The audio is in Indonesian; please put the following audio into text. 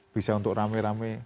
bisa untuk rame rame